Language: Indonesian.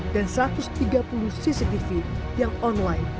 dan satu ratus tiga puluh cctv yang online